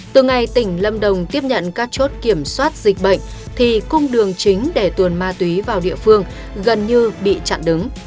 từ ngày tỉnh lâm đồng tiếp nhận các chốt kiểm soát dịch bệnh thì cung đường chính để tuần ma túy vào địa phương gần như bị chặn đứng